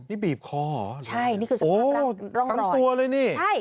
นี่บีบคอเหรอร้องรอยทั้งตัวเลยนี่ใช่